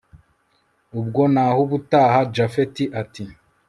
ubwo nahubutaha japhet ati